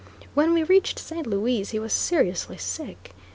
When we reached St. Louis he was seriously sick.